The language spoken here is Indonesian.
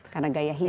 karena gaya hidup